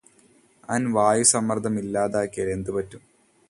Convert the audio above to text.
അവന് വായുസമ്മര്ദ്ദം ഇല്ലാതാക്കിയാല് എന്തുപറ്റും